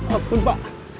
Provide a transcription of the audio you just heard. apa tuh pak